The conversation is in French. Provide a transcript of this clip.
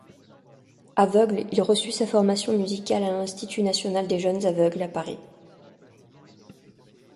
Aveugle, il reçut sa formation musicale à l’Institut National des Jeunes Aveugles, à Paris.